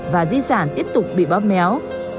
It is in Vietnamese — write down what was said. và di sản tiếp tục bị bóp méo